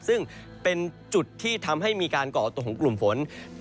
ซึ่งเป็นจุดที่ทำให้มีการก่อตัวของกลุ่มฝน